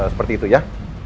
seperti itu ya